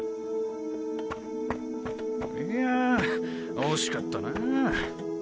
いや惜しかったなぁ。